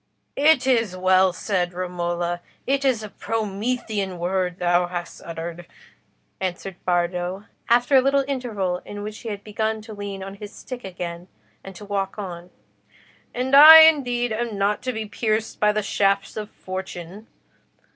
"It is well said, Romola. It is a Promethean word thou hast uttered," answered Bardo, after a little interval in which he had begun to lean on his stick again, and to walk on. "And I indeed am not to be pierced by the shafts of Fortune.